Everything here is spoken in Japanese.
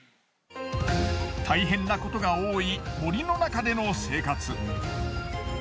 大変なことが多い森の中での生活。